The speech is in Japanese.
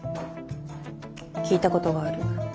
聞いたことがある。